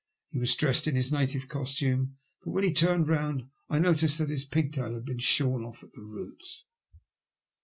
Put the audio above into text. He was dressed in his native costume, but when he turned round I noticed that his pigtail had been shorn off at the roots.